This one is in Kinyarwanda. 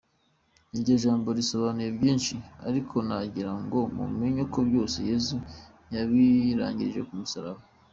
Iryo jambo risobanuye byinshi, ariko nagira ngo mumenye ko byose Yesu yabirangirije ku musaraba.